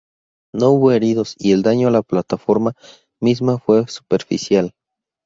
No hubo heridos y el daño a la plataforma misma fue superficial.